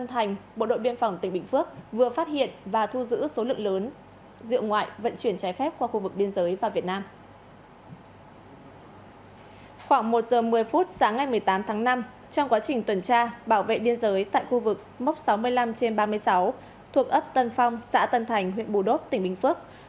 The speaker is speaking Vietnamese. trong quá trình tuần tra bảo vệ biên giới tại khu vực mốc sáu mươi năm trên ba mươi sáu thuộc ấp tân phong xã tân thành huyện bù đốt tỉnh bình phước